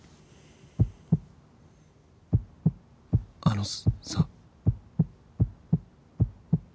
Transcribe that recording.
あのさ。